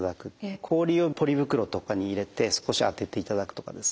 氷をポリ袋とかに入れて少しあてていただくとかですね